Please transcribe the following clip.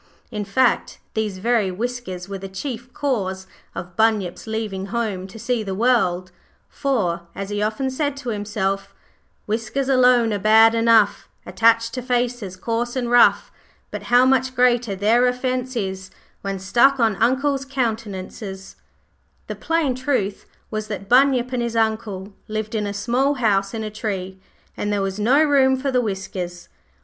In fact, these very whiskers were the chief cause of Bunyip's leaving home to see the world, for, as he often said to himself 'Whiskers alone are bad enough Attached to faces coarse and rough; But how much greater their offence is When stuck on Uncles' countenances.' The plain truth was that Bunyip and his Uncle lived in a small house in a tree, and there was no room for the whiskers.